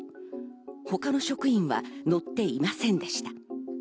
他の職員は乗っていませんでした。